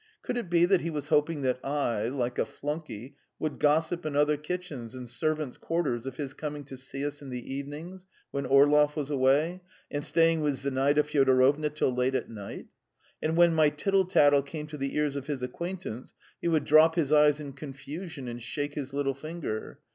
Could it be that he was hoping that I, like a flunkey, would gossip in other kitchens and servants' quarters of his coming to see us in the evenings when Orlov was away, and staying with Zinaida Fyodorovna till late at night? And when my tittle tattle came to the ears of his acquaintance, he would drop his eyes in confusion and shake his little finger.